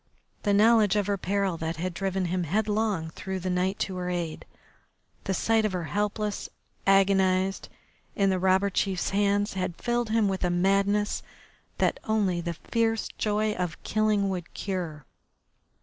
The knowledge of her peril, that had driven him headlong through the night to her aid, the sight of her helpless, agonised, in the robber chief's hands, had filled him with a madness that only the fierce joy of killing would cure.